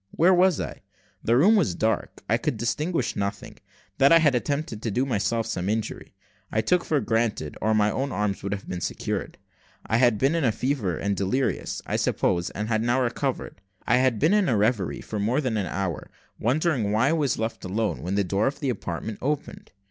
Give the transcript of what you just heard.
Where was I? The room was dark, I could distinguish nothing; that I had attempted to do myself some injury, I took for granted, or my arms would not have been secured. I had been in a fever and delirious, I supposed, and had now recovered. I had been in a reverie for more than an hour, wondering why I was left alone, when the door of the apartment opened.